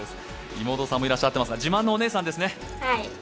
妹さんもいらっしゃっていますが、自慢のお姉さんですね。